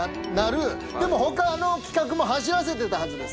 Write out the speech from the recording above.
でも他の企画も走らせてたはずです。